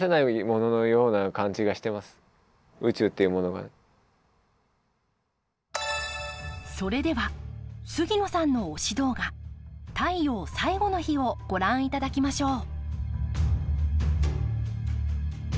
やっぱり何かそれでは杉野さんの推し動画「太陽最後の日」をご覧いただきましょう。